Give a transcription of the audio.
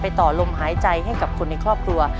ต่อลมหายใจให้กับคนในครอบครัว